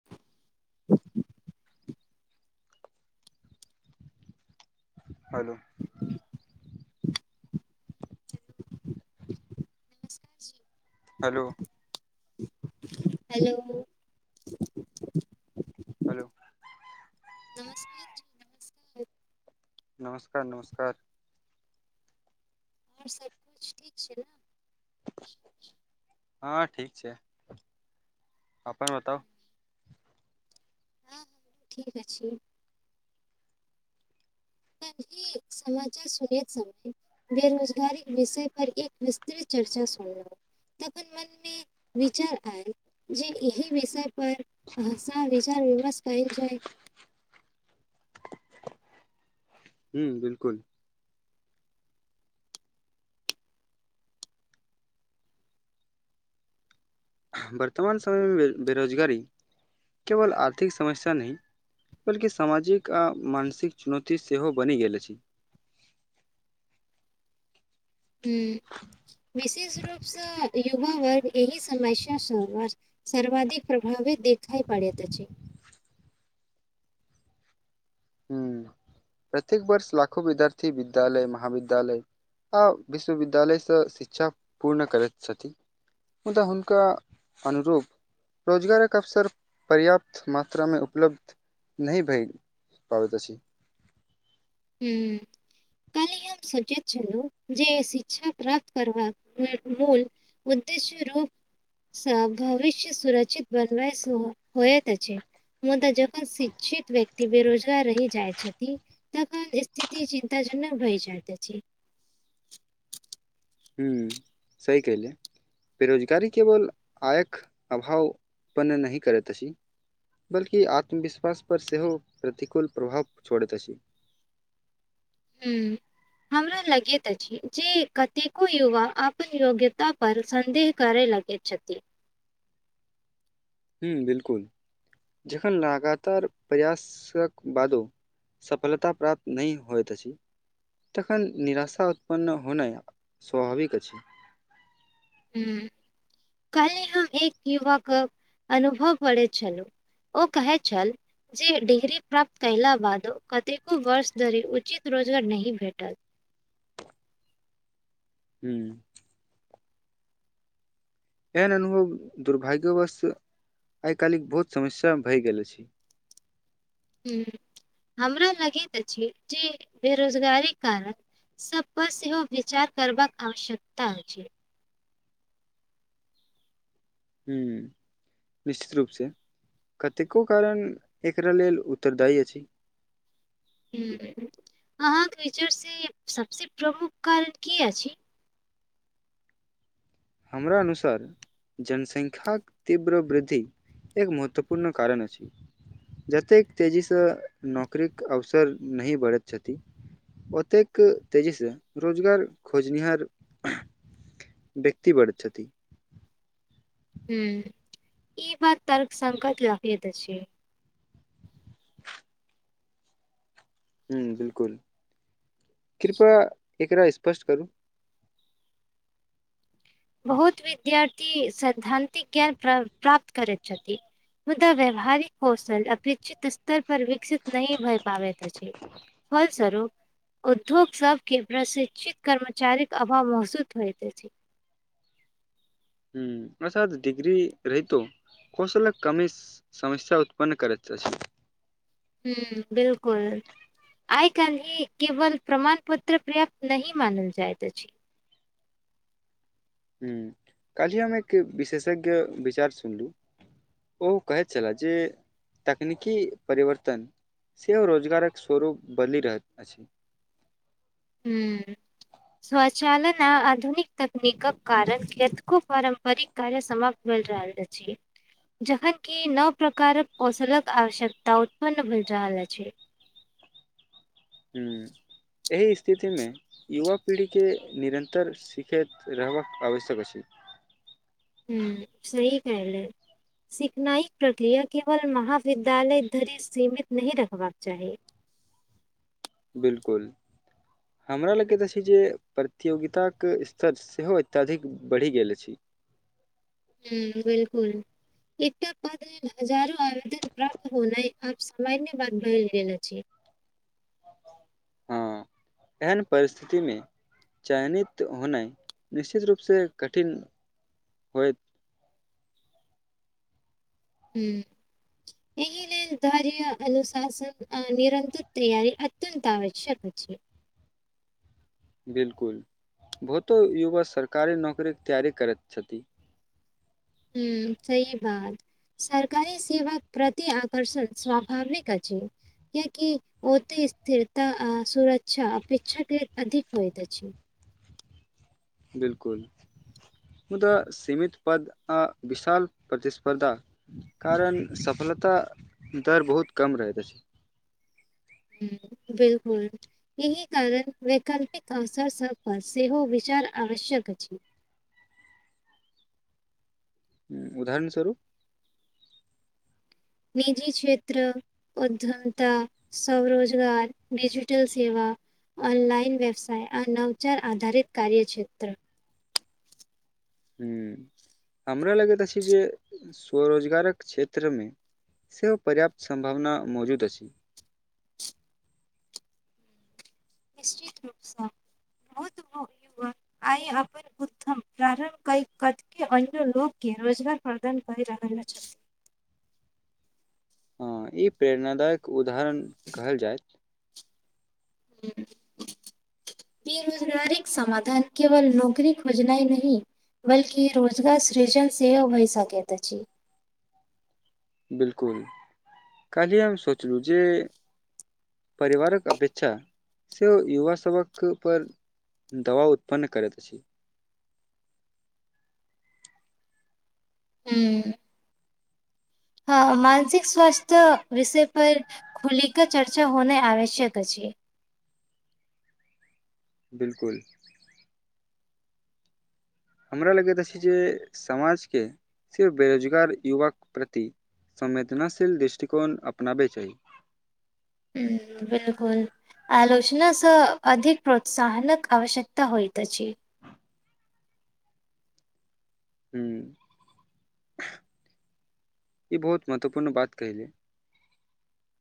[inaudible] हलो [inaudible] hello hello hello नमस्कार जी नमस्कार नमस्कार नमस्कार आओर सब कुछ ठीक छै नऽ हँ हँ ठीक छै अपन बताउ ठीके छै खेबही समाचार सुनैत समय बेरोजगारी विषय पर एक विस्तृत चर्चा सुनलहुँ तखन मनमे विचार आयल जे एहि विषय पर विचार विमर्श कयल जाय ह्म बिलकुल वर्तमान समय मे बेरोजगारी केवल आर्थिक समस्या नहि बल्कि सामाजिक आ मानसिक चुनौती सेहो बनि गेल अछि ह विशेष रूपसँ युवा वर्ग एहि समस्या सँ बड सर्वाधिक प्रभावित देखाइ पड़यत छै हूँ [unintelligible] [unintelligible] प्रत्येक वर्ष लाखो विद्यार्थी विद्यालय महाविद्यालय आओ विश्ववद्यालय सँ शिक्षा पूर्ण करैत छथि मुदा हुनका अनुरूप रोजगारक अवसर पर्याप्त मात्रामे उपलब्ध नहि भए पाबैत अछि हू काल हम सोचैत छलहु जे शिक्षा प्राप्त करबाक मूल उद्देश रूप भविष्य सुरक्षित बनबै सेहो होयत अछि मुदा जखन शिक्षित व्यक्ति बेरोजगार रहि जाइ छथि तखन स्थिति चिन्तााजनक भइ जाइत अछि हुँ सह कहलिए बेरोजगारी केवल आय के अभाव उत्पन्न नहि करैत अछि बल्कि आत्मविश्वास पर सेहो प्रतिकूल प्रभाव छोड़ैत अछि हू हमरा लगैत अछि जे कतेको युवा अपन योग्यता पर संदेह करे लग गेत छथि ह्म बिल्कुल जखन लगातार प्रयासक बादो सफलता प्राप्त नहि होइत अछि तखन निराशा उत्पन्न होनाई स्वाभाविक अछि हुँ कल्हि हम एक युवा कऽ अनुभव करैत छलहु ओ कहैत छल जे डिग्री प्राप्त कयला बाद कतेको वर्ष धरि उचित रोजगार नहि भेटल ह्म एहन अनुभव दुर्भाग्योवश्त आई काल्हि बहुत समस्या भए गेल छै हुँ हमरो लगैत अछि जे बेरोजगारीक कारण सब पर सेहो विचार करबाक आवश्यकता अछि हूँ निश्चित रूपसँ कतेको कारण एकरा लेल उत्तरदायी अछि अहाँके विचार सँ सबसे प्रमुख कारण की अछि हमरा अनुसार जनसंख्यक तीव्र वृद्धि एक महत्वपूर्ण कारण अछि जतेक तेजी सँ नौकरीक अवसर नहि बढ़ैत छथि ओतेक तेजी सँ रोजगार खोजनिहार ती बढ़ैत छथि ह ई बात तर्क संकत लागेत अछी ह बिल्कुल कृपया एकरा स्पष्ट करू बहुत विद्यार्थी सैद्धातिक ज्ञान प्राप् प्राप्त करछति मुदा व्यावहारिक कौशल अपेक्षित स्तर पर विकसित नहि भए पाबैत अछि फल सरूप उद्योग सब के प्रशिक्षित कर्मचारी के अभाव महसूद होइत अछि ह असाथ डिग्री रहितो कौशलक कमी समस्या उत्पन्न करैत अछि ह्म बिल्कुल आय कालही केवल प्रमाणपत्र पर्याप्त नहि मानल जाइत अछी ह काही हमे एक विशेषज्ञ विचार सुनलु ओहो कहैत छले जे तकनीकी परिवर्तन सेहो रोजगारक स्वरूप बनि रहैत अछि ह्म स्वचालन आ आधुनिक तकनीकक कारण कतेको पारम्परिक कार्य समाप्त भेल रहल अछि जखन की नव प्रकारक कौशलक आवश्यकता उत्पन्न भ रहल अछि ह्म एहि स्थिति मे युवा पीढ़ी के निरन्तर शिखैत रहबाक आवश्यक अछि ह्म सही कहले सिखनाईक प्रक्रिया केवल महाविद्यालय धरि सीमित नहि रखबाक चाही बिल्कुल [inaudible] हमरा लगके तऽ छै जे प्रतियोगिताके स्तर सेहो अत्यधिक बढ़ि गेल अछि ह्म बिल्कुल एतपद हजारो आवेदन प्राप्त होनाइ आब सामान्य बाद भै गेल अछि हँ एहन परिस्थिति मे चयनित होना निश्चित रूपसँ कठिन होयत ह्म एहि लेल धार्य अनुशासन निरन्तत तैयरी अत्यन्त आवश्यक अछि बिल्कुल बहुतो युवा सरकारी नौकरीके तैयारी करैत छथि ह्म सही बात सरकारी सेवा प्रति आकर्षण स्वभाविक अछि किआकि ओते स्थिरता आ सुरक्षा अपेक्षाके अधिक होइत अछि बिलकुल मु सीमित पद आ विशाल प्रतिस्पर्धा कारण सफलता दर बहुत कम रहैत अछि ह बिलकुल एहि कारण वैकल्पिक अवसर सभ पर सेहो विचार आवश्यक अछि उदाहरण स्वरूप निजी क्षेत्र उध्यमता स्वरोजगार डिजिटल सेवा ऑनलाइन व्यवसाय आनवचार आधारित कार्य क्षेत्र ह हमरा लगैत अछि जे स्वरोजगारक क्षेत्र मे सेहो पर्याप्त सम्भावना मौजूद अछि निश्चित रूप सँ बहुत युवक आय अपन उत्तम प्रारम्भ कै कत के अन्य लोक के रोजगार प्रदान कर रहल छथि ह ई प्रेरणादायक उदाहरण कहल जाय हू इ बेरोजगारिक समाधान केवल नौकरी खोजना नहि बल्कि रोजगार सृजन सेहो भय सकेैत अछि बिलकुल काल्हि हम सोचलहुँ जे परिवारक अपेक्षा से युवा सभक पर दबाव उत्पन्न करैत अछि हू हँ मानसिक स्वस्थ्य विषय पर खुलिक चर्चा होना आवश्यक अछि बिलकुल हमरा लगैत अछि जे समाजके सिर्फ बेरोजगार युवाके प्रति संवेदनाशील दृष्टिकोण अपनाबे चाही ह बिलकुल आलोचनासँ अधिक प्रोत्साहनक आवश्यकता होइत अछि ह ई बहुत महत्वपूर्ण बात कहिले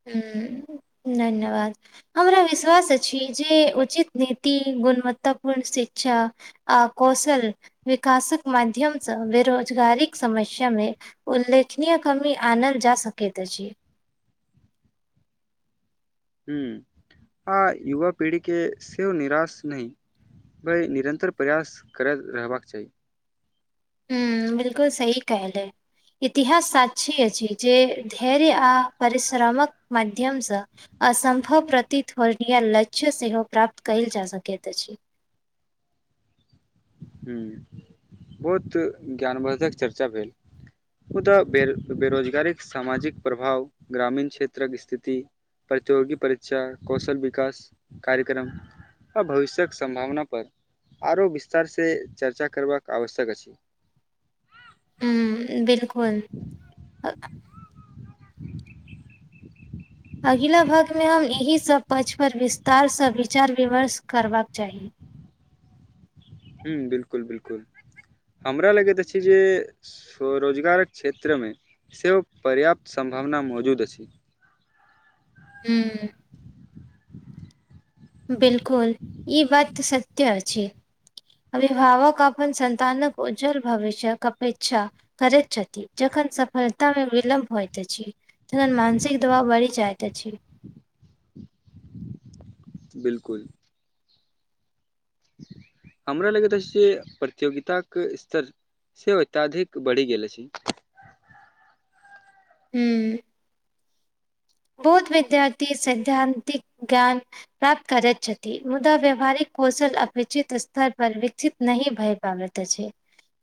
ह धन्यवाद हमरा विश्वास अछि जे उचित नीति गुणवत्तापूर्ण शिक्षा आ कौशल विकासक माध्यमसँ बेरोजगारीक समस्या मे उल्लेखनीय कमी आनल जा सकैत अछि ह आ युवा पीढ़ी के सेव निराश नइ बइ निरन्तर प्रयास करैत रहबाक चाही ह बिलकुल सही कहले इतिहास साक्षी अछि जे धैर्य आ परिश्रमक माध्यम सँ असम्भव प्रतित ध्वनीय लक्ष्य सेहो प्राप्त कल जाइत सकैत अछि ह बहुत ज्ञानवर्द्धक चर्चा भेल ऊत बेरो बेरोजगारिक सामाजिक प्रभाव ग्रामीण क्षेत्रक स्थिति प्रतियोगी परीक्षा कौशल विकास कार्यक्रम आ भविष्यक सम्भावना पर आरो विस्तार से चर्चा करबाक आवश्यक अछि ह बिलकुल अगिला भक्तमे हम एहि सभ पक्षपर विस्तारसँ विचार विमर्श करबाक चाही ह बिलकुल बिलकुल हमरा लगैत अछि जे स्वरोजगारक क्षेत्रमे सेहो पर्याप्त सम्भावना मौजूद अछि हूँ बिलकुल ई बात सत्य अछि अभिभावक अपन संतानक उज्ज्वल भविष्यक अपेक्षा करैत छथि जखन सफलता मे विलम्ब होइत अछि तहन मानसिक दबाव बढ़ी जायत अछि बिलकुल हमरा लगैत अछि जे प्रतियोगिताक स्तर सेहो अत्यधिक बढ़ि गेल अछि हू बहुत विद्यार्थी सैद्धान्तिक ज्ञान प्राप्त करैत छथि मुदा व्यावहारिक कौशल अपे्षित स््तर पर विकसित नहि भय पाबैत त अछि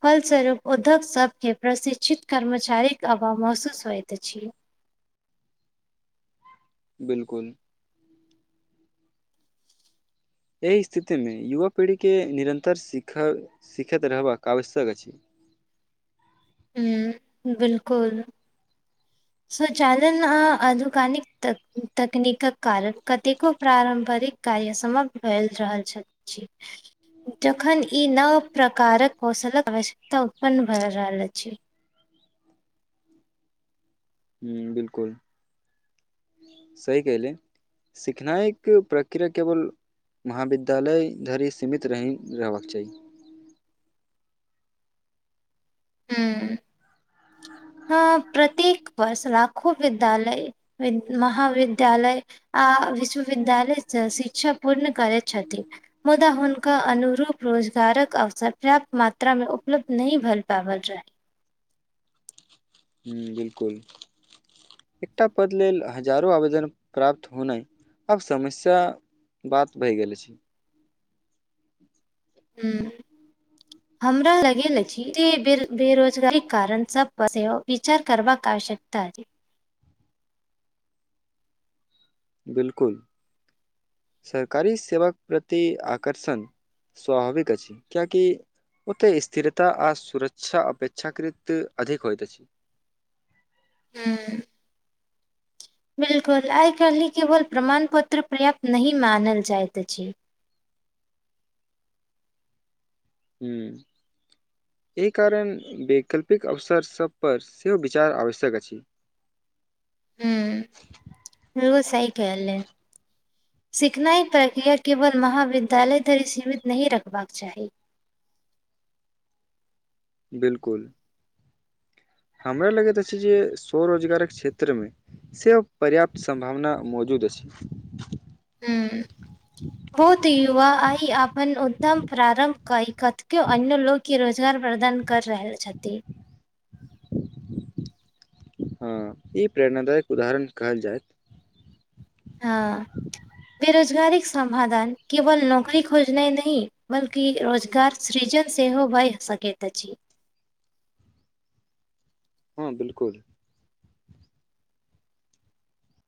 फलस्वरूप उद्यग सबके प्रशिक्षित कर्मचारीक अभाव महसूस होइत अछि बिलकुल एहि स्थितिमे युवा पीढ़ीके निरन्तर सिख सिखैत रहबाक आवश्यक अछि हुँ बिलकुल स्वचालन आ आनुकानिक तक तकनीक क कारण कतेको पारम्परिक कार्य समाप्त भए रहल छथि जखन ई नव प्रकारक कौशलक आवश्यकता उत्पन्न भए रहल अछि ह बिलकुल सही कहली सिखनाइ एक प्रक्रिया केवल महाविद्यालय धरि सीमित नहि रहबाक चाही हूँ हँ प्रत्येक वर्ष लाखो विद्यालय महाविद्यालय आ विश्वविद्यालय शिक्षा पूर्ण करै छथि मुदा हुनका अनुरूप रोजगारक अवसर पर्याप्त मात्रामे उपलब्ध नहि भऽ पाबल रहनि ह्म बिलकुल एकटा पद लेल हजारो आवेदन प्राप्त होनाइ अब समस्या बात भई गेल अछि हूँ हमरा लगेल अछि कि बेरोजगारी कारण सब पर सेहो विचार करबाक आवश्यकता अछि बिलकुल सरकारी सेवक प्रति आकर्षण स्वाभाविक अछि कियाकि ओते स्थिरता आ सुरक्षा अपेक्षाकृत अधिक होइत अछि हूँ बिलकुल आइ कल्हि केवल प्रमाण पत्र पर्याप्त नहि मानल जाइत अछि हूँ एहि कारण वैकल्पिक अवसर सबपर सेहो विचार आवश्यक अछि [inaudible] हमरो सइकेले सिखनाइ प्रक्रिया केवल महाविद्यालय धरि सीमित नहि रखबाक चाही बिलकुल हमरा लगैत अछि जे स्वरोजगारक क्षेत्रमे से पर्याप्त संभावना मौजूद अछि हूँ हो त युवा आई अपन उ्तम प्रारंभ कई क कतेके अन्य लोग के रोजगार प्रदान कर रहल छथि हँ ई प्रेरणादायक उदाहरण कहल जायत हँ बेरोजगारीक समाधान केवल नौकरी खोजनाइ नहि बल्कि रोजगार सृजन सेहो भई सकैत अछि हँ बिलकुल